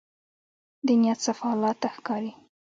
د نیت صفا الله ته ښکاري.